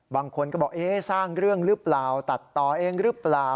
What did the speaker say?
บางคนก็บอกสร้างเรื่องหรือเปล่าตัดต่อเองหรือเปล่า